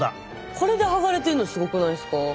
これで剥がれてるのすごくないですか？